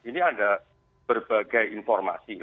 ini ada berbagai informasi